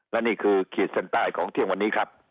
และนี่คือขีดเส้นใต้ของเที่ยงวันนี้ครับ